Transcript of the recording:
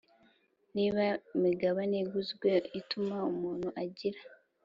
Niba imigabane iguzwe ituma umuntu agira